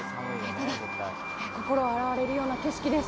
ただ心を洗われるような景色です。